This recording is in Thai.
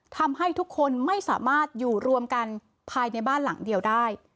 ทำให้ทุกคนไม่สามารถอยู่รวมกันภายในบ้านหลังเดียวได้